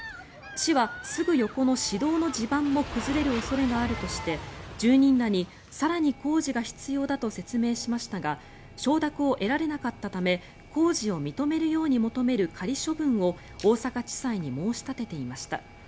市は、すぐ横の市道の地盤も崩れる恐れがあるとして住人らに、更に工事が必要だと説明しましたが承諾を得られなかったため工事を認めるように求める仮処分を大阪地裁に申し立てていました。